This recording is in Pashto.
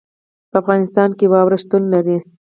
په افغانستان کې واوره شتون لري.